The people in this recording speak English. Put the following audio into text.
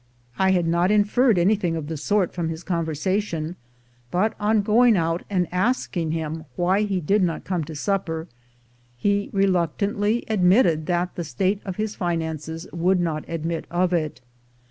I had not inferred anything of the sort from his conversation, but on going out and asking him why he did not come to supper, he reluctantly ad mitted that the state of his finances would not admit of it.